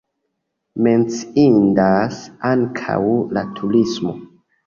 Menciindas ankaŭ la turismo.